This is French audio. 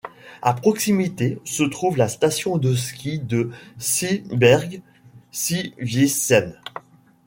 À proximité se trouve la station de ski de Seeberg - Seewiesen.